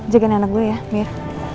jagain anak gue ya mir